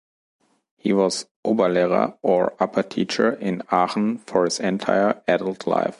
He was Oberlehrer, or upper teacher, in Aachen for his entire adult life.